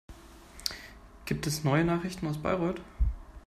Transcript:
Gibt es neue Nachrichten aus Bayreuth?